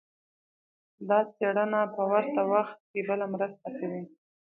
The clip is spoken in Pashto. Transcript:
دا څېړنه په ورته وخت کې بله مرسته کوي.